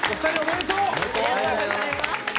ありがとうございます。